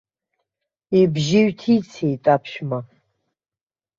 Ибжьы ҩҭицеит аԥшәма.